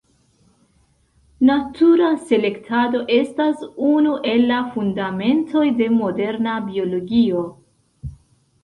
Natura selektado estas unu el la fundamentoj de moderna biologio.